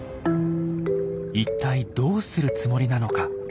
一体どうするつもりなのか。